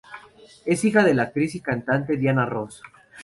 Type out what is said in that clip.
Es hija de la actriz y cantante Diana Ross.